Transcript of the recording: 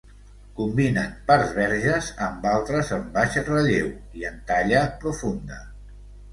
Combinen parts verges amb altres en baix relleu i en talla profunda.